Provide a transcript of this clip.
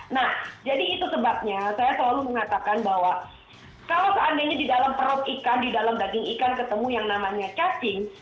nah jadi itu sebabnya saya selalu mengatakan bahwa kalau seandainya di dalam perut ikan di dalam daging ikan ketemu yang namanya cacing